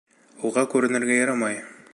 Уға күренергә ярамай!